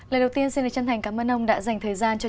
lời đầu tiên xin được chân thành cảm ơn ông đã dành cho chúng tôi